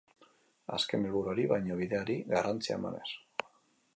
Azken helburuari baino bideari garrantzia emanez.